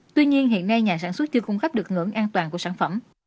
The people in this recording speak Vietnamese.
tuy nhiên hiện nay nhà sản xuất chưa cung cấp được ngưỡng an toàn của sản phẩm